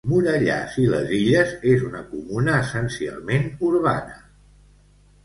Morellàs i les Illes és una comuna essencialment urbana.